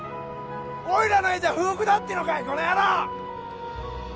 おいらの絵じゃ不服だってのかいこの野郎！